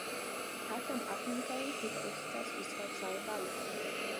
Katram akmeņkalim tika uzticēts izkalt savu daļu.